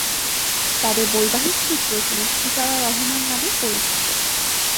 তবে বৈবাহিক সূত্রে তিনি সিতারা রহমান নামে পরিচিত।